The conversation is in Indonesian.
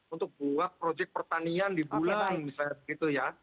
untuk buat proyek pertanian di bulan misalnya begitu ya